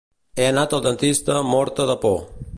He anat al dentista morta de por